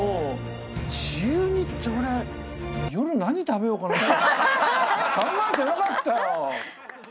中２って俺「夜何食べようかな」しか考えてなかったよ。